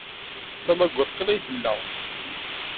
D tamaggadt kan ay tella.